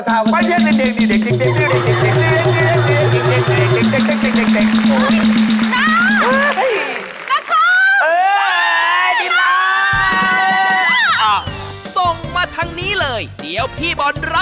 นี่มันเจอดินลาหลายปีแล้วน่ะ